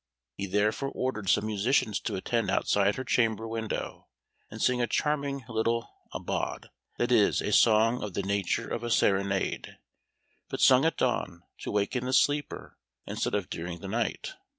He therefore ordered some musicians to attend outside her chamber window, and sing a charming little "aubade" that is, a song of the nature of a serenade, but sung at dawn to waken the sleeper instead of during the night.